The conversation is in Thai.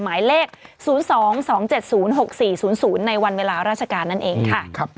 หมายเลข๐๒๒๗๐๖๔๐๐ในวันเวลาราชการนั่นเองค่ะ